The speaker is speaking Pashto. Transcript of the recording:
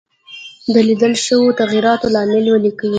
د لیدل شوو تغیراتو لامل ولیکئ.